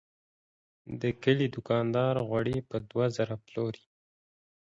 د کلي دوکاندار غوړي په دوه زره پلوري.